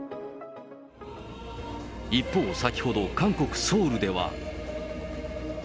一方、先ほど韓国・ソウルでは。